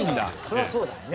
そりゃそうだよね。